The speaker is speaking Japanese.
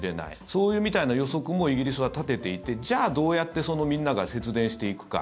そういう予測もイギリスは立てていてじゃあ、どうやってみんなが節電していくか。